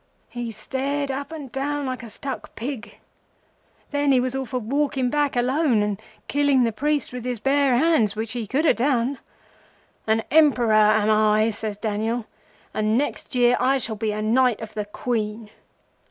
He stared up and down like a stuck pig. Then he was all for walking back alone and killing the priests with his bare hands; which he could have done. 'An Emperor am I,' says Daniel, 'and next year I shall be a Knight of the Queen.